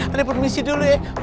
ani permisi dulu ya